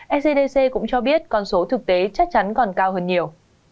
ecdc cũng cho biết con số thực tế chắc chắn còn cao hơn nhiều